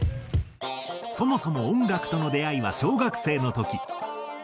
そもそも音楽との出会いは小学生の時。